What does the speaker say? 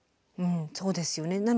うんそうですよね。